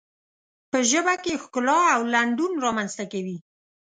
په ژبه کې ښکلا او لنډون رامنځته کوي.